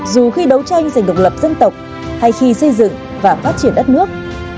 dù khi đấu tranh giành độc lập dân tộc hay khi xây dựng và phát triển đất nước